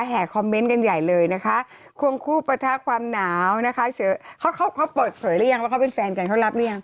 คอมเมนต์กันใหญ่เลยนะคะควงคู่ประทักความหนาวนะคะเขาเขาเปิดเผยหรือยังว่าเขาเป็นแฟนกันเขารับหรือยัง